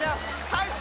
大将！